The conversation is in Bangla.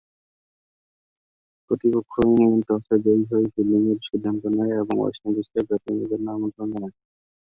প্রতিপক্ষ ইংল্যান্ড টসে জয়ী হয়ে ফিল্ডিংয়ের সিদ্ধান্ত নেয় এবং ওয়েস্ট ইন্ডিজকে ব্যাটিংয়ের জন্যে আমন্ত্রণ জানায়।